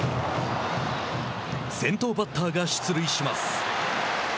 先頭バッターが出塁します。